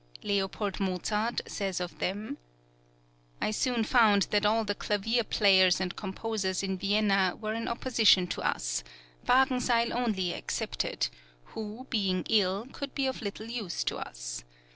L. Mozart says of them: I soon found that all the clavier players and composers in Vienna were in opposition to us, Wagenseil only excepted, who, being ill, could be of little use to us.